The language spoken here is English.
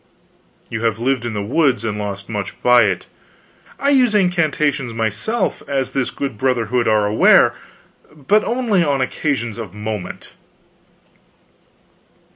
"You have lived in the woods, and lost much by it. I use incantations myself, as this good brotherhood are aware but only on occasions of moment."